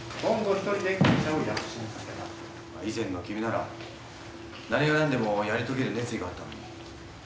以前の君なら何が何でもやり遂げる熱意があったのに。